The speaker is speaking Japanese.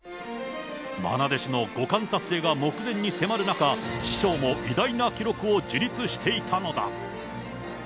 まな弟子の五冠達成が目前に迫る中、師匠も偉大な記録を樹立していたのだ。